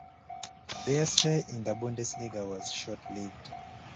Their stay in the Bundesliga was short-lived.